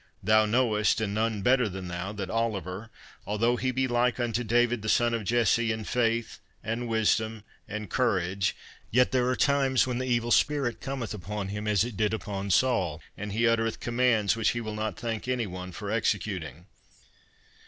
Thou knowest, and none better than thou, that Oliver, although he be like unto David the son of Jesse, in faith, and wisdom, and courage, yet there are times when the evil spirit cometh upon him as it did upon Saul, and he uttereth commands which he will not thank any one for executing."